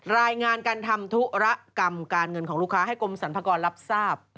รายงานการทำธุรกรรมการเงินของลูกค้าให้กรมสรรพากรรับทราบ